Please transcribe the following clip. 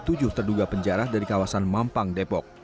tujuh terduga penjara dari kawasan mampang depok